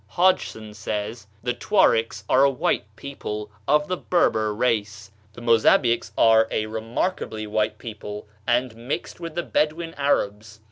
Hodgson states: "The Tuarycks are a white people, of the Berber race; the Mozabiaks are a remarkably white people, and mixed with the Bedouin Arabs.